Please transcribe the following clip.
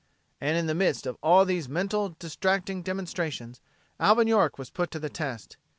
And in the midst of all of these mental distracting demonstrations Alvin York was put to the test.